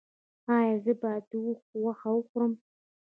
ایا زه باید د اوښ غوښه وخورم؟